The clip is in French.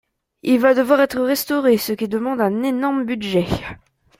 Il va devoir être restauré, ce qui demande un énorme budget.